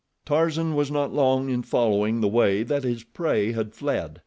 Tarzan was not long in following the way that his prey had fled.